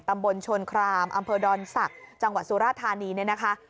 ตำบลชนครามอำเภอดอนศักดิ์จังหวัดสุราธานีเนี่ยนะคะ